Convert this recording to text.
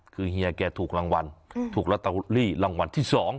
คือเฮียแกถูกรางวัลถูกลอตเตอรี่รางวัลที่๒